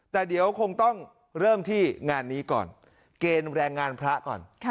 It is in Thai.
แต่เดี๋ยวคงต้องเริ่มที่งานนี้ก่อนเกณฑ์แรงงานพระก่อน